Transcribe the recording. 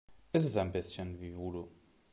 Es ist ein bisschen wie Voodoo.